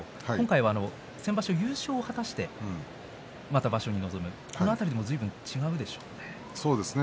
先場所、優勝を果たしてまた場所に臨むこの辺りもずいぶん違うんでしょうね。